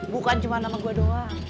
bukan cuma nama gue doang